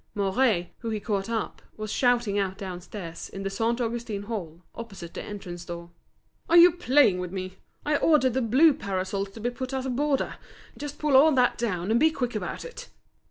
Mouret, whom he caught up, was shouting out downstairs, in the Saint Augustin Hall, opposite the entrance door: "Are you playing with me? I ordered the blue parasols to be put as a border. Just pull all that down, and be quick about it!"